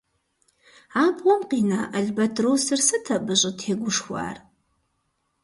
Абгъуэм къина албатросыр сыт абы щӀытегушхуар?